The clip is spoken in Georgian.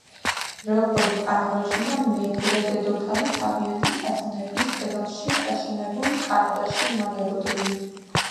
როგორც აღმოჩნდა, მეფე და დედოფალი თავიანთი საძინებლის კედელში ჩაშენებულ კარადაში იმალებოდნენ.